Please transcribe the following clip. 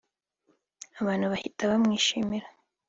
abantu bahita bamwishimira